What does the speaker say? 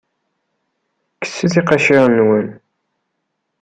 Kkset iqaciren-nwen.